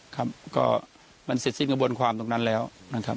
ครับก็มันเสร็จสิ้นกระบวนความตรงนั้นแล้วนะครับ